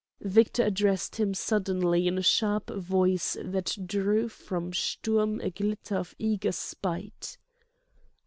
Victor addressed him suddenly, in a sharp voice that drew from Sturm a glitter of eager spite.